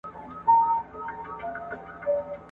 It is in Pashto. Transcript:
نه به واخلي تر قیامته عبرتونه !.